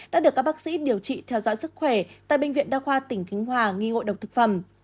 đã được các bác sĩ điều trị theo dõi sức khỏe tại bệnh viện đa khoa tỉnh khánh hòa nghi ngộ độc thực phẩm